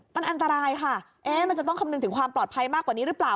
มันอันตรายค่ะเอ๊ะมันจะต้องคำนึงถึงความปลอดภัยมากกว่านี้หรือเปล่า